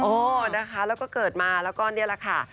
นะคะแล้วก็เกิดมาแล้วก็นี่แหละค่ะ